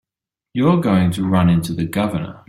You're going to run into the Governor.